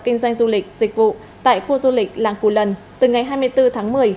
kinh doanh du lịch dịch vụ tại khu du lịch làng cù lần từ ngày hai mươi bốn tháng một mươi